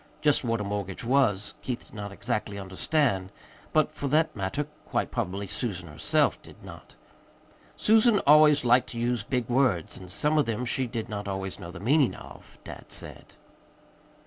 Just what a mortgage was, Keith did not exactly understand; but, for that matter, quite probably Susan herself did not. Susan always liked to use big words, and some of them she did not always know the meaning of, dad said.